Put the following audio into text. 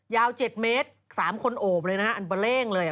ยาว๗เมตรสามคนโอบเลยนะคะอันเบล่งเลย